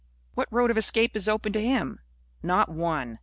What road of escape is open to him? Not one.